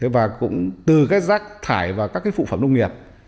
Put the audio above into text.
và cũng từ các rác thải vào các cái phụ phẩm nông nghiệp